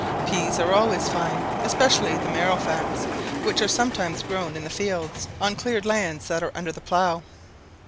Peas are always fine, especially the marrowfats, which are sometimes grown in the fields, on cleared lands that are under the plough.